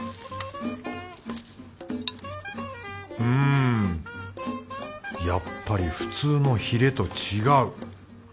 うんやっぱり普通のひれと違う。